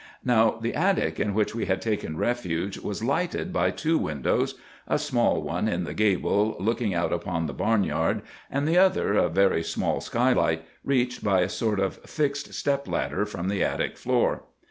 "Now, the attic in which we had taken refuge was lighted by two windows,—a small one in the gable, looking out upon the barnyard, and the other, a very small skylight, reached by a sort of fixed step ladder from the attic floor.